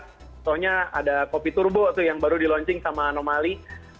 contohnya ada kopi turbo tuh yang baru di launching sama anomali